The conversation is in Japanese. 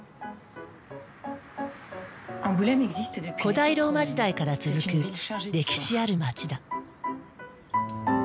古代ローマ時代から続く歴史ある街だ。